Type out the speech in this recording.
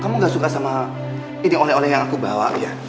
kamu gak suka sama ini oleh oleh yang aku bawa ya